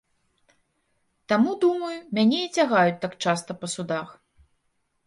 Таму, думаю, мяне і цягаюць так часта па судах.